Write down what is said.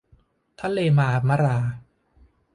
ทะเลมาร์มะรา